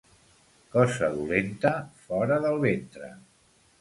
Cosa dolenta, fora del ventre.